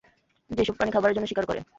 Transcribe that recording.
যেসব প্রাণী খাবারের জন্য শিকার করে।